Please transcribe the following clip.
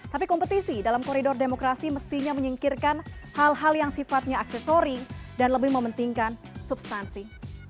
tapi kompetisi dalam koridor demokrasi mestinya menyingkirkan hal hal yang sifatnya aksesori dan lebih mementingkan substansi